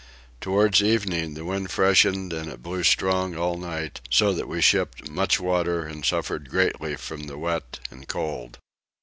Towards evening the wind freshened and it blew strong all night, so that we shipped much water and suffered greatly from the wet and cold.